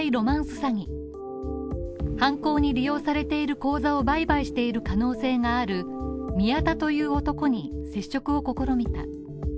詐欺犯行に利用されている口座を売買している可能性のある宮田という男に接触を試みた。